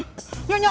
yuk yuk yuk